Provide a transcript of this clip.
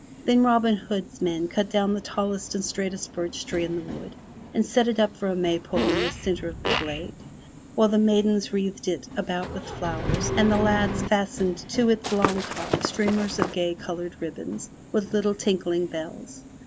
Then Robin Hood's men cut down the tallest and straightest birch tree in the wood and set it up for a Maypole in the centre of the glade, while the maidens wreathed it about with flowers, and the lads fastened to its top long streamers of gay colored ribbons with little tinkling bells.